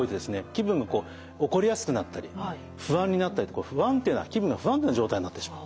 気分が怒りやすくなったり不安になったりとか気分が不安定な状態になってしまう。